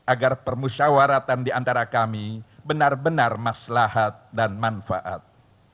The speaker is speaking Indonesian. agar permusyawaratan diantara kami benar benar maslahat dan manfaat